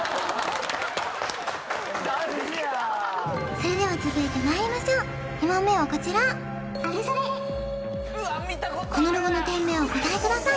それでは続いてまいりましょう２問目はこちらあるソレこのロゴの店名をお答えください